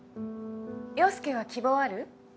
陽佑は希望ある？